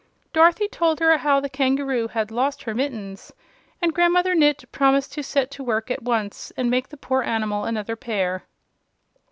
Dorothy told her how the kangaroo had lost her mittens, and Grandmother Gnit promised to set to work at once and make the poor animal another pair.